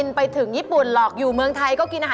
นั่นมันโรยตี